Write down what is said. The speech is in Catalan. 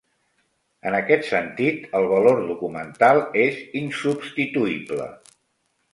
En aquest sentit, el valor documental és insubstituïble.